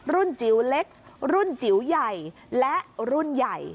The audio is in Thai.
จิ๋วเล็กรุ่นจิ๋วใหญ่และรุ่นใหญ่